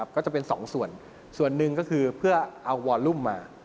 ก็จะเป็น๒ส่วนส่วนหนึ่งก็คือเพื่อเอาวอลลุ่มมา